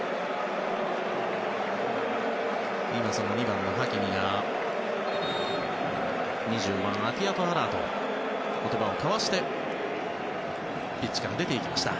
２番のハキミが２５番、アティヤト・アラーと言葉を交わしてピッチから出て行きました。